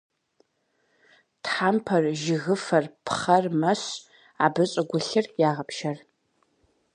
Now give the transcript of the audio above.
Тхьэмпэр, жыгыфэр, пхъэр мэщ, абы щӀыгулъыр ягъэпшэр.